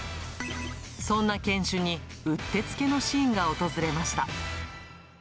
そんな犬種に打ってつけのシーンが訪れました。